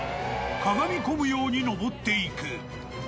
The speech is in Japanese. かがみ込むように登っていく。